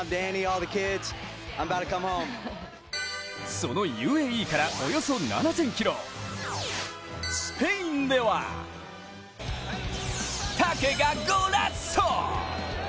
そのＵＡＥからおよそ７０００ｋｍスペインではタケがゴラッソ！